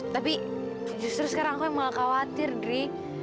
tapi justru sekarang aku yang malah khawatir dri